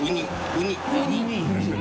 ウニ。